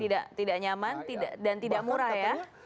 tidak nyaman dan tidak murah ya